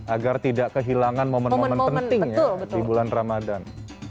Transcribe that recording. agar tidak kehilangan momen momen penting ya di bulan ramadan